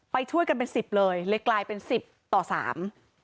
ไปช่วยกันเป็นสิบเลยเลยกลายเป็นสิบต่อสาม